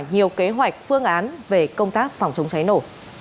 nhiều kế hoạch phương án về công tác phòng chống cháy nổ